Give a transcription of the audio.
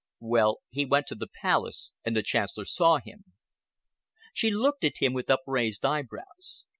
"Well, he went to the Palace and the Chancellor saw him." She looked at him with upraised eyebrows.